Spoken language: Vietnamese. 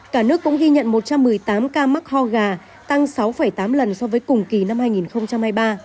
cả nước cũng ghi nhận một trăm một mươi tám ca mắc ho gà tăng sáu tám lần so với cùng kỳ năm hai nghìn hai mươi ba